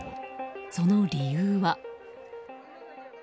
その理由は。